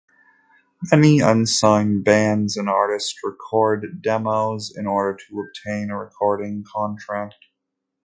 Many unsigned bands and artists record demos in order to obtain a recording contract.